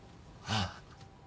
ああ。